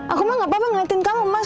aku mah gak apa apa ngeliatin kamu emas